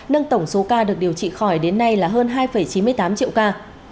nâng tổng số ca được điều trị khỏi đến nay là hơn hai chín mươi tám triệu ca